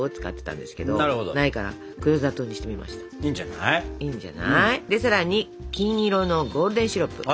でさらに金色のゴールデンシロップ。